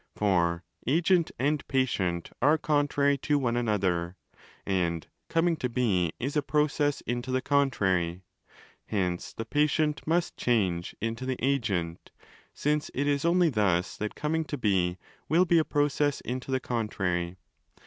For agent and patient are contrary to one another, and coming to be is a process into the con trary: hence the patient must change into the agent, since it ig only thus that coming to be will be a process into the contrary.